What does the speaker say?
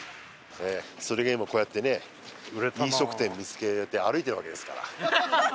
それが今こうやってね飲食店見つけて歩いてるわけですから。